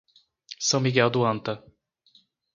São Miguel do Anta